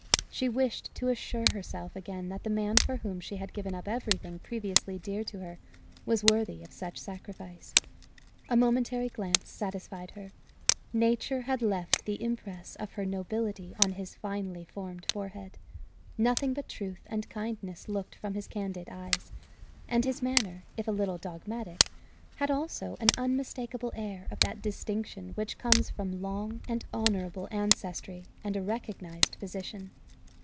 She wished to assure herself again that the man for whom she had given up everything previously dear to her was worthy of such sacrifice. A momentary glance satisfied her. Nature had left the impress of her nobility on his finely formed forehead; nothing but truth and kindness looked from his candid eyes; and his manner, if a little dogmatic, had also an unmistakable air of that distinction which comes from long and honourable ancestry and a recognized position.